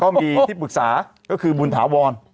มีที่ปรึกษาก็คือบุญถาวร